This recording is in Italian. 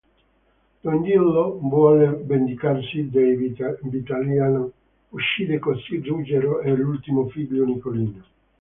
Don Gillo vuole vendicarsi dei Vitaliano, uccide così Ruggero e l'ultimo figlio Nicolino.